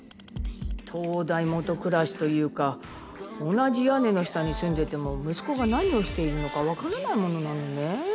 「灯台下暗し」というか同じ屋根の下に住んでても息子が何をしているのかわからないものなのね。